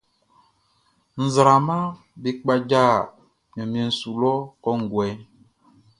Nzraamaʼm be kpaja ɲanmiɛn su lɔ kɔnguɛ.